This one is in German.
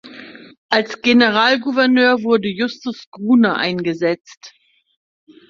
Als Generalgouverneur wurde Justus Gruner eingesetzt.